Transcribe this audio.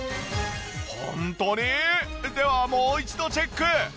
ホントに？ではもう一度チェック！